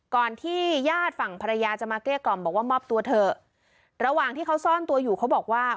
ที่ญาติฝั่งภรรยาจะมาเกลี้ยกล่อมบอกว่ามอบตัวเถอะระหว่างที่เขาซ่อนตัวอยู่เขาบอกว่า